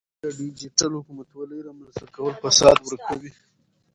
د ډیجیټل حکومتولۍ رامنځته کول فساد ورکوي.